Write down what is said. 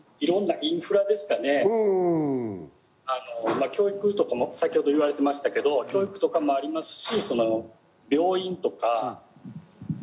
まぁ教育とかも先ほど言われてましたけど教育とかもありますし。